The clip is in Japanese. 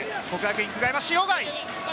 國學院久我山、塩貝。